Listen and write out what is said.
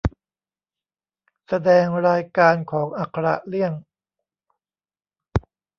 แสดงรายการของอักขระเลี่ยง